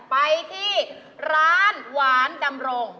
ไปที่ร้านหวานดำรง